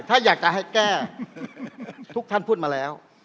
ถ้าอยากจะให้แก้ทุกท่านพูดมาแล้ว